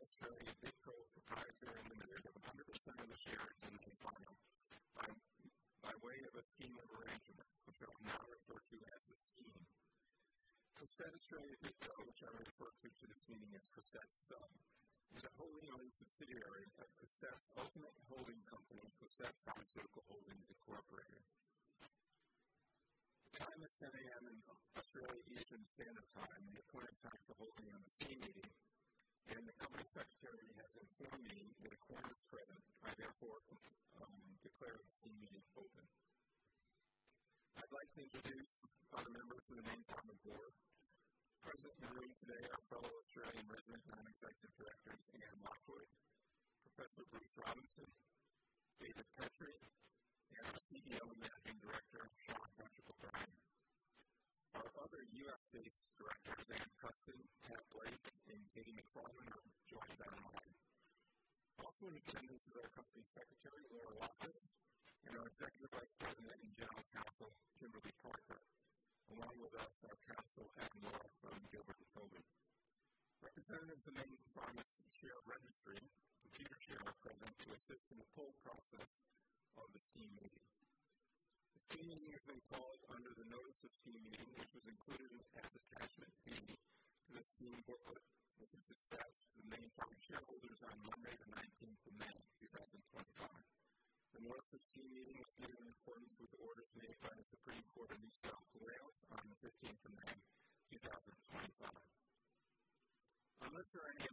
Board and Management Team, I'd like to welcome. All our shareholders with the proxies, attorneys who represent us present to scheme meeting. I'm gonna apologize in advance this is a very long script that I have to today, so bear with me. Today's scheme meeting will allow all the Mayne Pharma shareholders, proxies, attorneys, and representatives consider and vote on the proposed acquisition by Cosette Australia Bidco Pty Ltd, of a 100% of the shares in Mayne Pharma, by way of a scheme of arrangement which I will now refer to as the scheme. Cosette Australia Bidco, which I'll refer to you to this meeting as Cosette's sub. It's a holding-only subsidiary of Cosette's ultimate holding company, Cosette Pharmaceutical Holding Inc. The time is 10:00 A.M. in Australia Eastern Standard Time, and the attorney's time for holding on the same meeting. The Company Secretary has informed me in a court of present. I therefore declare this scheme meeting open. I'd like to introduce other members of the Mayne Pharma board. Present in the room today are fellow Australian resident non executive directors, Anne Lockwood, Professor Bruce Robinson, David Petrie, and our CEO and Managing Director, Shawn Patrick O'Brien. Our other US-based directors and custom and patplay and Katie McFarland, are joined online. Also in attendance is our Company Secretary, Laura Loftus, and our Executive Vice President and General Counsel, Kimberly Parker, along with us are Counsel Adam Lorif, Gilbert and Tobin. Representatives of Mayne Pharma and share registry computer share present to assist in the pool process of the scheme meeting. The scheme meeting has been called under the notice of scheme meeting, which was included in the past attachment to the scheme booklet, which is attached to the Mayne Pharma shareholders on Monday, the 19th of May, 2025. The notice of scheme meeting is due in accordance with the orders made by the Supreme Court in New South Wales on the 15th of May, 2025. Unless there are any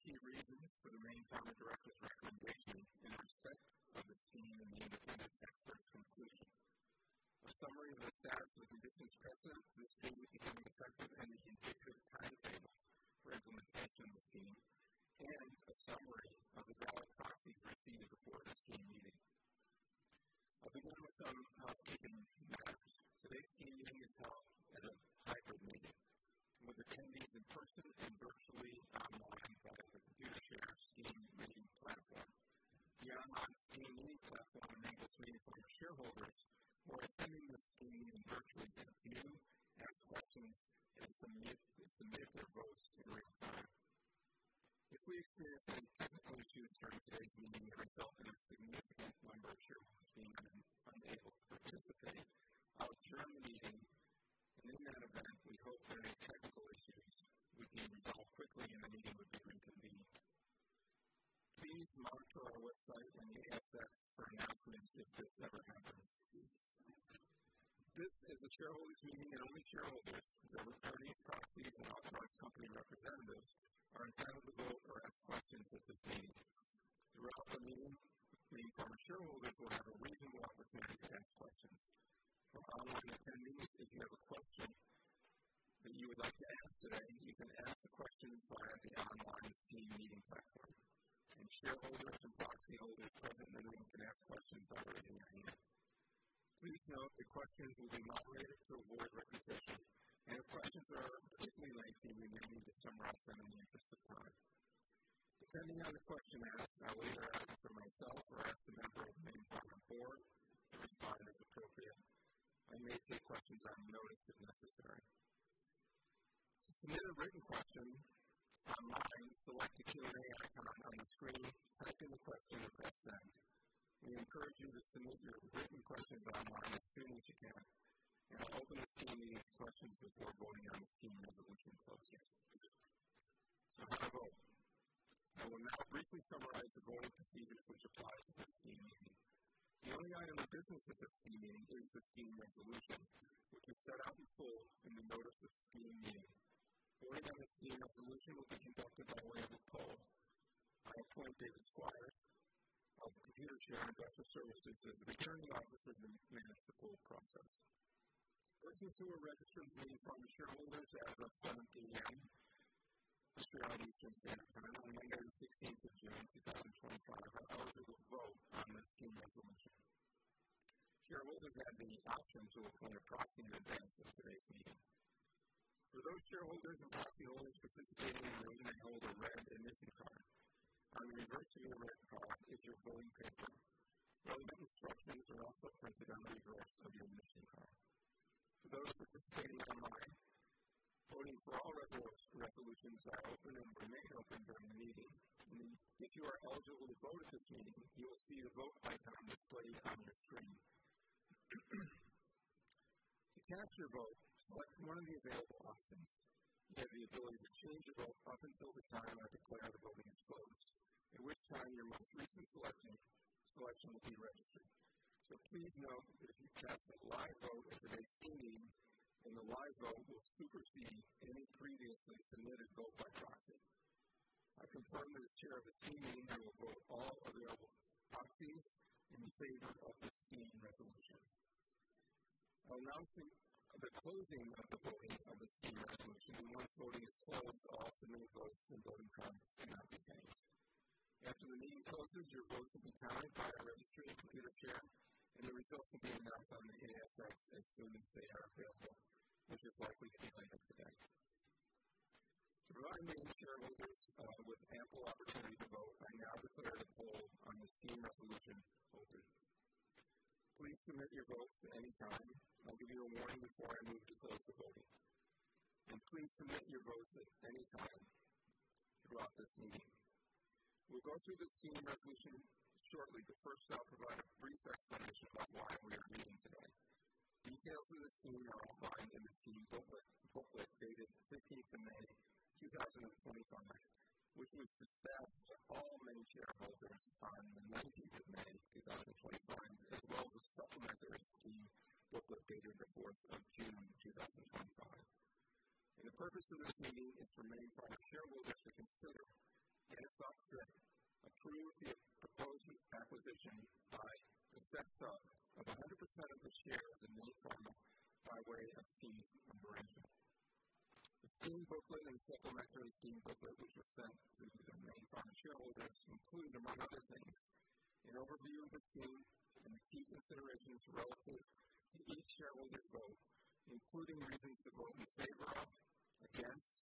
objections I'll take Please note the questions will be moderated to avoid repetition, and if questions are particularly lengthy, we may need to summarize them in the interest of time. Depending on the question asked, I'll either ask for myself or ask a member of the Mayne Pharma board if it's appropriate. I may take questions on notice if necessary. To submit a written question online, select the Q&A icon on the screen, type in the question, and press send. I encourage you to submit your written questions online as soon as you can, and I'll open the scheme meeting with questions before voting on the scheme resolution process. That is all. I will now briefly summarize the voting procedures which apply to this scheme meeting. The only item of business at this meeting is the scheme resolution, which is set out in full in the notice of scheme meeting. Voting on the scheme resolution will be conducted by way of a call. I'll explain things quiet. I'll have the Computershare and special services as the attorney officer who managed the whole process. Those who are registered as Mayne Pharma shareholders as of 7:00 P.M., Australia Eastern Standard Time, on Monday, the 16th of June 2025, are eligible to vote on the scheme resolution. Shareholders have the option to appoint a proxy in advance of today's meeting. For those shareholders and proxy holders participating in room they hold red emission card, on the reverse of your red card is your voting paper. Relevant instructions are also printed on the reverse of your emission card. For those participating online, voting for all resolutions are open and remain open during the meeting. If you are eligible to vote at this meeting, you will see your vote by time displayed on your screen. To cast your vote, select one of the available options. You have the ability to change your vote up until the time I declare the voting is closed, at which time your most recent selection will be registered. Please note that if you cast a live vote at today's scheme meeting, then the live vote will supersede any previously submitted vote by proxy. I confirm that as Chair of the scheme meeting, I will vote all available proxies in favor of the scheme resolution. I will now see the closing of the voting of the scheme resolution. Once voting is closed, all submitted votes and voting time will not be discounted. After the meeting closes, your votes will be counted by our registry and Computershare, and the results will be announced on the ASX as soon as they are available, which is likely to be later today. To provide Mayne shareholders with ample opportunity to vote, I now declare the hold on the scheme resolution. Holders, please submit your votes at any time. I'll give you a warning before I move to close the voting. Please submit your votes at any time throughout this meeting. We'll go through the scheme resolution shortly. First, I'll provide a brief explanation about why we are meeting today. Details of the scheme are online in the scheme booklet, which was dated the 15th of May, 2025, which was to staff all Mayne shareholders on the 19th of May, 2025, as well as supplementary scheme booklet dated the 4th of June, 2025. The purpose of this meeting is for Mayne Pharma shareholders to consider and accept a proposed acquisition by Cosette of 100% of the shares in Mayne Pharma by way of scheme merger. The scheme booklet and the supplementary scheme booklet, which was sent to Mayne Pharma shareholders, include, among other things, an overview of the scheme and the key considerations relative to each shareholder's vote, including reasons to vote in favor of or against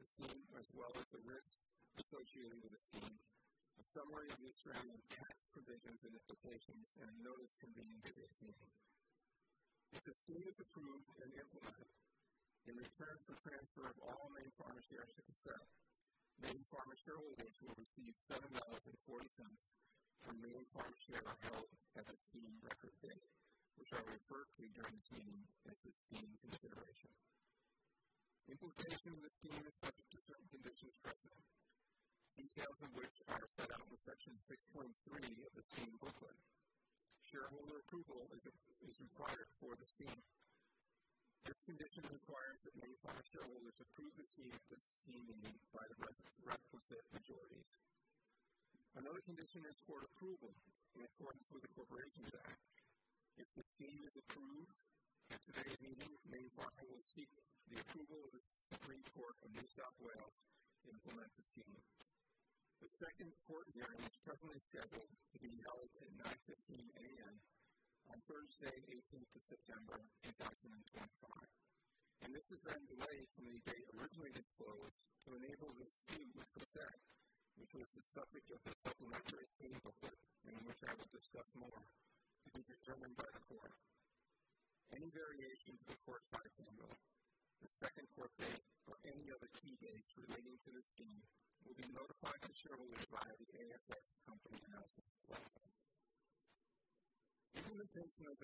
the scheme, as well as the risks associated with the scheme, a summary of the surrounding tax provisions and implications, and a notice conveniently attainable. If the scheme is approved and implemented, in return for transfer of all Mayne Pharma shares to Cosette, Mayne Pharma shareholders will receive A$7.40 per share at the scheme reference date, which I'll refer to during the meeting as the scheme consideration. Implementation of the scheme is subject to certain conditions present, details of which are set out in Section 6.3 of the scheme booklet. Shareholder approval is required for the scheme. This condition requires that Mayne Pharma shareholders approve the scheme at the scheme meeting by the requisite majorities. Another condition is court approval in accordance with the Corporations Act. If the scheme is approved at today's meeting, Mayne Pharma will seek the approval of the Supreme Court of New South Wales to implement the scheme. The second court hearing is presently scheduled to be held at 9:15 A.M. on Thursday, the 18th of September, 2025. This is on delay from the date originally disclosed to enable the scheme with Cosette, which was the subject of the supplementary scheme booklet, and which I will discuss more, to be determined by the court. Any variation to the court's liability, the second court date or any other key dates relating to the scheme, will be notified to shareholders via the ASX company announcements. Given the potential of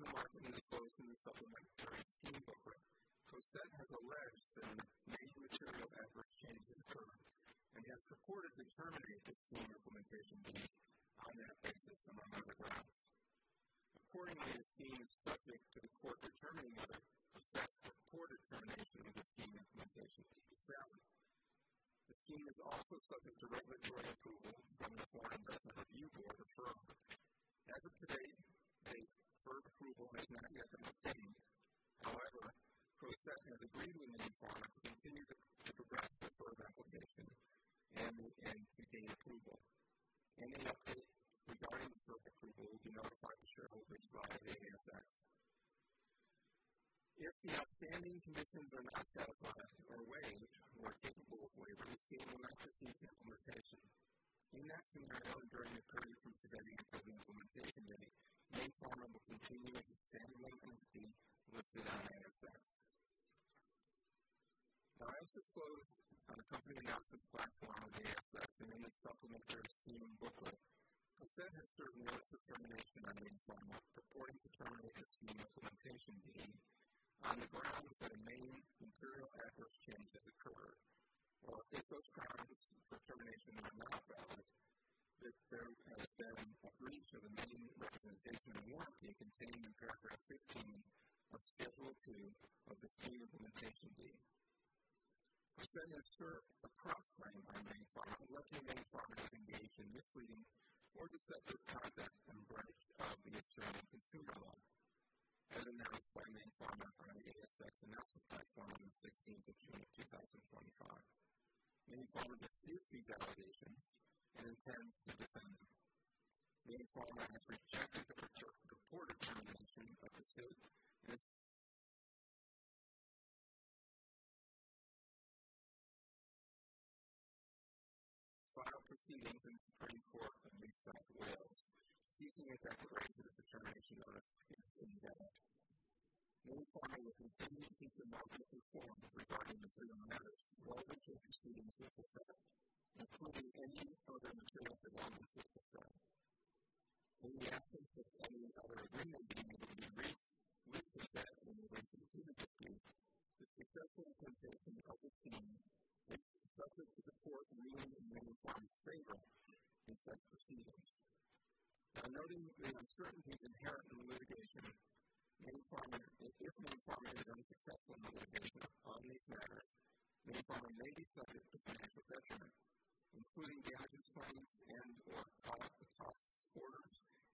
the scheme, it's been determined that identifying the Executive Vice President, Mayne Pharma, is the most appropriate court for the court's detailed understanding of the local jurisdiction and known expertise. As an addition to marketing disclosure in the supplementary scheme booklet, Cosette has alleged that major material adverse changes occurred and has purportedly terminated the Scheme Implementation Deed on that basis among other grounds. Accordingly, the scheme is subject to the court determining whether Cosette's court determination of the Scheme Implementation Deed is valid. The scheme is also subject to regulatory approval from the Foreign Investment Review Board. As of today, the FIRB approval has not yet been obtained. However, Cosette has agreed with Mayne Pharma to continue to progress the FIRB application and to gain approval. Any updates regarding the FIRB approval will be notified to shareholders via the ASX. If the outstanding conditions are not satisfied or waived or, if applicable, waiver is not granted, the scheme will not proceed to implementation. In that scenario, during the court-submitted and final implementation meeting, Mayne Pharma will continue to stand alone on the scheme with Cosette. Now, I also closed on a company announcement platform on the ASX and in the supplementary scheme booklet. Cosette has certain rights for termination, with Mayne Pharma purporting to terminate the Scheme Implementation Deed on the grounds that a Material Adverse Change has occurred. While if those grounds for termination were not valid, this very has been a breach of the Mayne representation warranty contained in paragraph 15 of schedule two of the Scheme Implementation Deed. Cosette has served a cross claim on Mayne Pharma unless Mayne Pharma has engaged in misleading or deceptive conduct in breach of the Australian Consumer Law. As announced by Mayne Pharma on the ASX announcement platform on the 16th of June 2025, Mayne Pharma disputes these allegations and intends to defend them. Mayne Pharma has rejected the reported termination of the scheme and has filed proceedings in the Supreme Court of New South Wales, seeking a declaration of the termination of the scheme indebted. Mayne Pharma will continue to keep the market informed regarding material matters relative to the scheme's existence, including any other material developments with Cosette. In the absence of any other agreement being made with Cosette in the wake of the scheme, the successful implementation of the scheme is subject to the court ruling in Mayne Pharma's favor in such proceedings. By noting the uncertainty inherent in the litigation, if Mayne Pharma is unsuccessful in the litigation on these matters, Mayne Pharma may be subject to financial detriment, including the adverse signs and/or costs of cost orders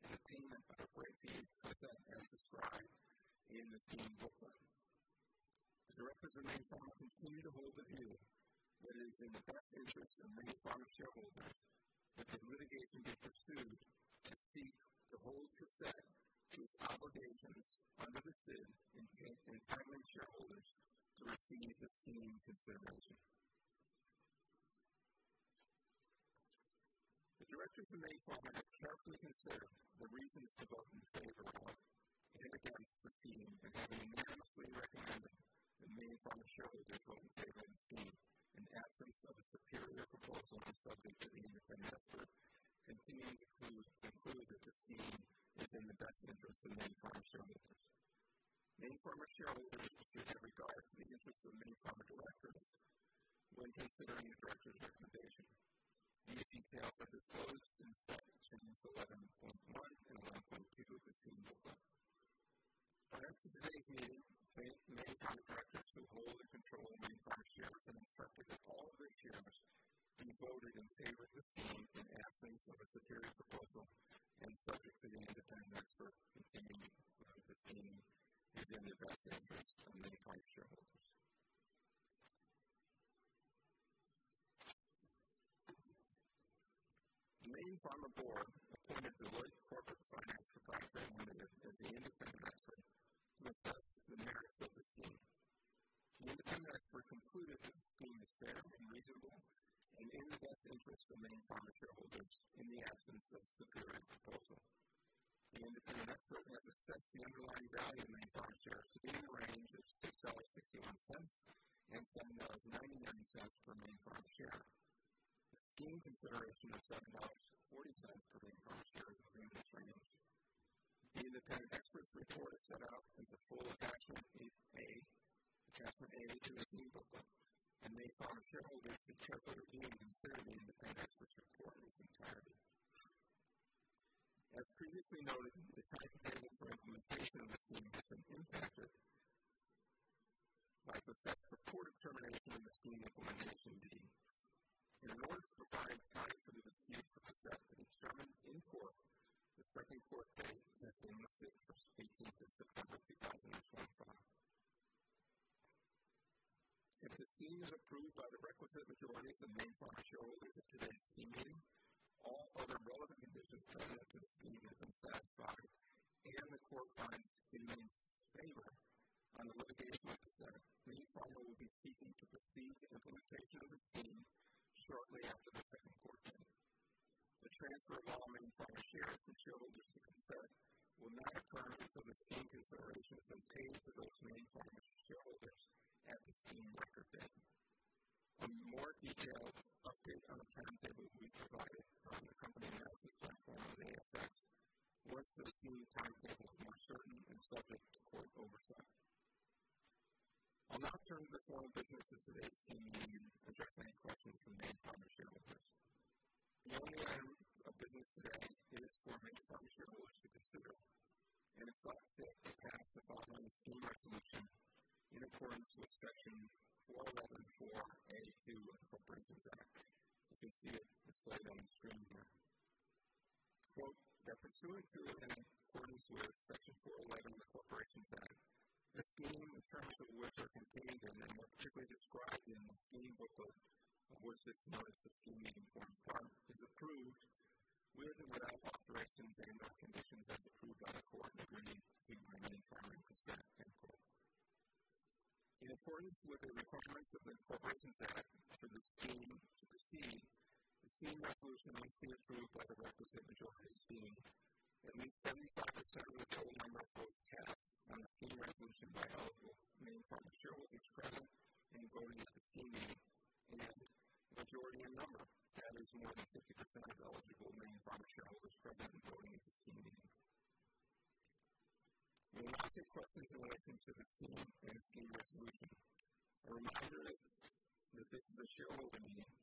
and payment of the price Cosette has described in the scheme booklet. The directors of Mayne Pharma continue to hold the view that it is in the best interest of Mayne Pharma shareholders that the litigation be pursued to seek to hold Cosette to its obligations under the SID and entitlement shareholders directly into scheme consideration. The directors of Mayne Pharma have carefully considered the reasons to vote in favor of and against the scheme and have unanimously recommended that Mayne Pharma shareholders vote in favor of the scheme in the absence of a superior proposal and subject to the independent expert, continuing to include the scheme within the best interests of Mayne Pharma shareholders. Mayne Pharma shareholders should have regard to the interests of Mayne Pharma directors when considering the directors' recommendation. These details are disclosed in Section 11.1 and 1.2 of the scheme booklet. Prior to today's meeting, Mayne Pharma directors who hold and control Mayne Pharma shares have instructed that all of the shares be voted in favor of the scheme in the absence of a superior proposal and subject to the independent expert, continuing to approve the scheme within the best interests of Mayne Pharma shareholders. The Mayne Pharma board appointed the voice corporate finance provider and manager as the independent expert to assess the merits of the scheme. The independent expert concluded that the scheme is fair and reasonable and in the best interests of Mayne Pharma shareholders in the absence of a superior proposal. The independent expert has assessed the underlying value of Mayne Pharma shares between the range of A$6.61 and A$7.99 for Mayne Pharma shares, with scheme consideration of A$7.40 for Mayne Pharma shares within this range. The independent expert's report is set out in the full attachment A, attachment A to the scheme booklet, and Mayne Pharma shareholders should carefully review and consider the independent expert's report in its entirety. As previously noted, the time schedule for implementation of the scheme has been impacted by Cosette's report. Determination of the Scheme Implementation Meeting. In order to provide time for the dispute for Cosette to be determined in court, the Supreme Court dated September 18th of September 2025. If the scheme is approved by the requisite majority of the Mayne Pharma shareholders at today's scheme meeting, all other relevant conditions present to the scheme have been satisfied and the court finds the scheme in its favor on the litigation of Cosette, Mayne Pharma will be seeking to proceed to implementation of the scheme shortly after the Supreme Court meeting. The transfer of all Mayne Pharma shares to shareholders of Cosette will not occur until the scheme consideration is obtained for those Mayne Pharma shareholders at the scheme record date. A more detailed update on the timetable will be provided from the company announcement platform on the ASX once the scheme timetable is more certain and subject to the court's oversight. I'll now turn the floor of business to today's scheme meeting and address any questions from Mayne Pharma shareholders. The only item of business today is for Mayne Pharma shareholders to consider. It is last date to pass the final scheme resolution in accordance with Section 411(4)(a)(2) of the Corporations Act. You can see it displayed on the screen here. Quote, "That pursuant to the current court's order, Section 411 of the Corporations Act, the scheme alternatives of which are contained in and are particularly described in the scheme booklet, of which it's noted the scheme meeting form part, is approved with and without alterations and/or conditions as approved by the court in agreement with Mayne Pharma and Cosette." In accordance with the requirements of the Corporations Act for the scheme to proceed, the scheme resolution must be approved by the requisite majority of the scheme. At least 75% of the total number of votes cast on the scheme resolution by eligible Mayne Pharma shareholders present and voting at the scheme meeting and the majority number that is more than 50% of eligible Mayne Pharma shareholders present and voting at the scheme meeting. We'll ask you questions in relation to the scheme and the scheme resolution. A reminder that this is a shareholder meeting.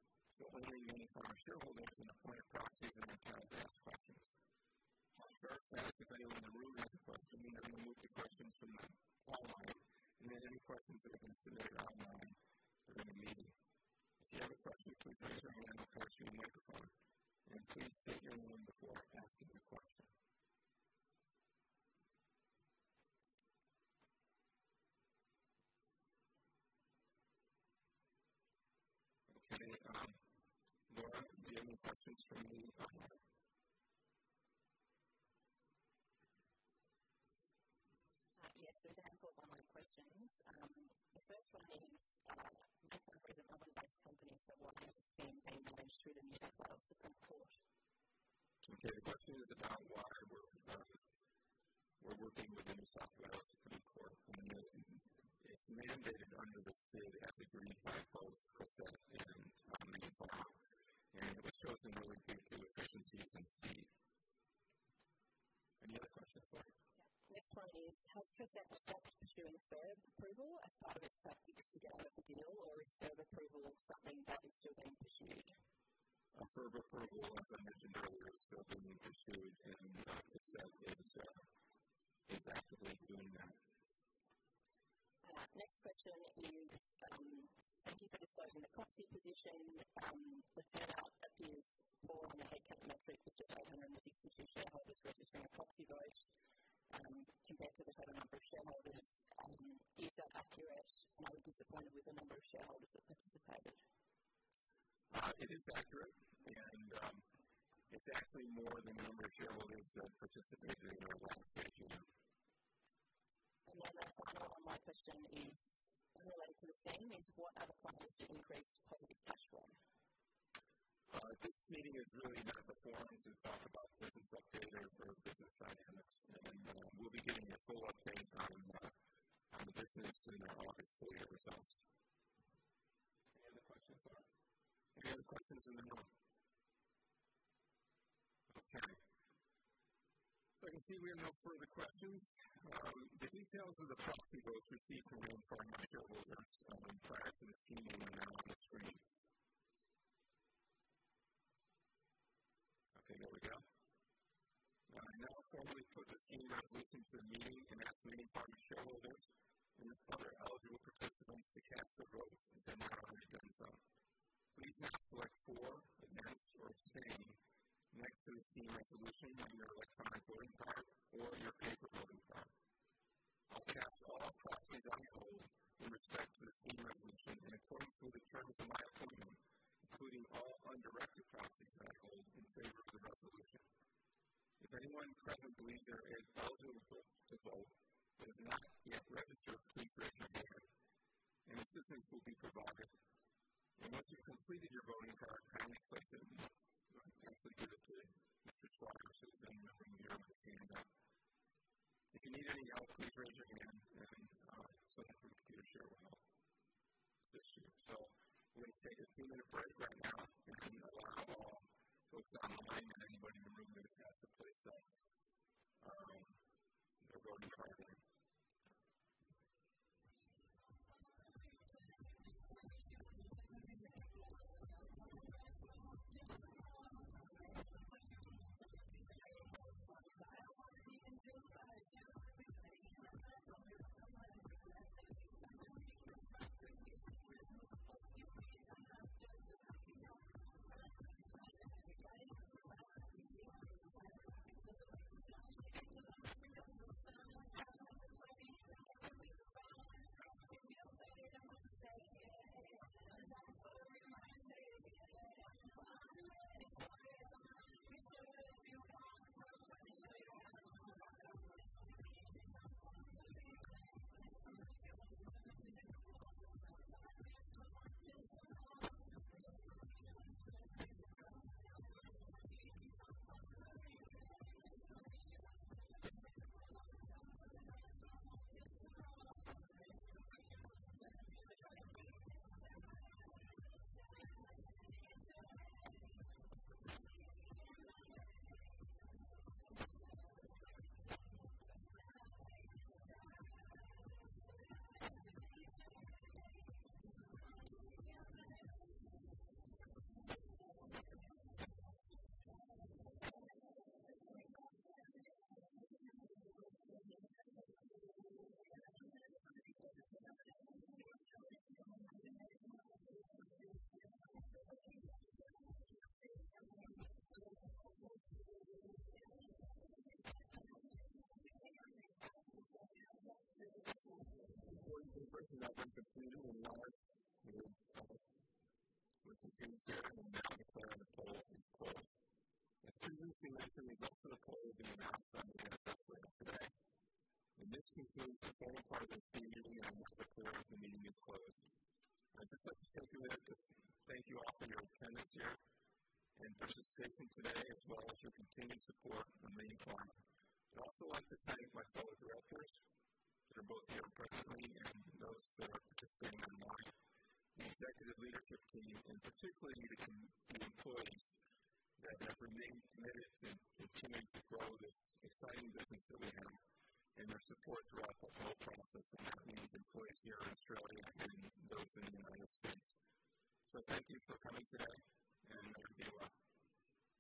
Only Mayne Pharma shareholders and the floor of proxies are entitled to ask questions. I'll start by asking everyone in the room to question me and then move to questions from online. Then any questions that have been submitted online during the meeting. If you have a question, please raise your hand and approach the microphone. Please take your hand down before asking a question. Okay. Laura, do you have any questions for Mayne Pharma? Yes. A couple of online questions. The first one is, I'm a representative of a company so why is the scheme being managed through the New South Wales Supreme Court? Okay. The question is about why we're working with the New South Wales Supreme Court. It's mandated under the SID. Agreed by both Cosette and Mayne Pharma. And it was chosen with a view to efficiencies and speed. Any other questions for me? Next one is, has Cosette accepted issuing a FIRB approval as part of a subject to get out of the deal or is FIRB approval something that is still being pursued? FIRB approval, as I mentioned earlier, is still being pursued and Cosette is actively doing that. Next question is, thank you for disclosing the proxy position. The fallout appears more on the headcount metric with the total number of 62 shareholders registering proxy votes compared to the total number of shareholders. Is that accurate? I was disappointed with the number of shareholders that participated. It is accurate. It is actually more than the number of shareholders that participated in the last issue. A follow-up on my question is, related to the scheme, what are the plans to increase positive cash flow? This meeting is really not performed to talk about business updates or business dynamics. We will be getting a full update on the business in our office for your results. Any other questions for us? Any other questions in the room? Okay. I can see we have no further questions. The details of the proxy votes received from Mayne Pharma shareholders prior to the scheme are being announced on the screen. Okay. There we go. All right. Now, before we put the scheme resolution to the meeting and ask Mayne Pharma shareholders and its other eligible participants to cast their votes, and if they have not already done so, please now select for, against, or abstain next to the scheme resolution on your electronic voting card or your paper voting card. I'll cast all proxies on hold in respect to the scheme resolution in accordance with the terms of my opinion, including all undirected proxies on hold in favor of the resolution. If anyone present believes there are eligible votes to vote that have not yet registered, please raise your hand. Assistance will be provided. Once you've completed your voting card, kindly place, actually give it to Mr. Squarer he is the room with his hand up. If you need any help, please raise your hand and someone from Petershare will help, assist you, We're going to take a two-minute break right now and allow all folks on the line and anybody in the room to cast their play on the voting card. As previously mentioned, we've also approved and announced on the announcement today. This continues to qualify the scheme meeting and this report. The meeting is closed. I'd just like to thank you all for your attendance here and participation today, as well as your continued support for Mayne Pharma. I'd also like to thank my fellow directors that are both here presently and those that are participating online, the executive leadership team, and particularly the employees that have remained committed to continuing to grow this exciting business that we have and their support throughout the whole process of having these employees here in Australia and those in the United States. Thank you for coming today, and I hope you do well.